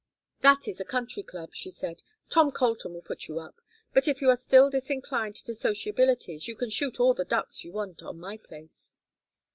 "That is a country club," she said. "Tom Colton will put you up. But if you are still disinclined to sociabilities you can shoot all the ducks you want on my place."